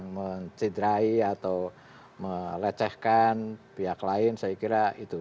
mencederai atau melecehkan pihak lain saya kira itu